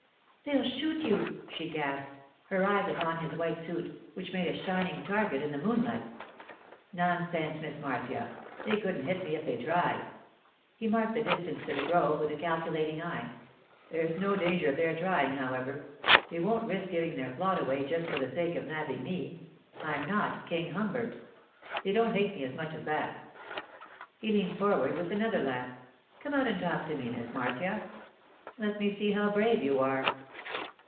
'They'll shoot you,' she gasped, her eyes upon his white suit, which made a shining target in the moonlight. 'Nonsense, Miss Marcia! They couldn't hit me if they tried.' He marked the distance to the grove with a calculating eye. 'There's no danger of their trying, however. They won't risk giving their plot away just for the sake of nabbing me; I'm not King Humbert. They don't hate me as much as that.' He leaned forward with another laugh. 'Come out and talk to me, Miss Marcia. Let me see how brave you are.